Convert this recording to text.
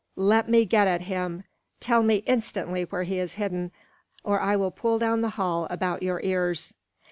Let me get at him! Tell me instantly where he is hidden, or I will pull down the hall about your ears!"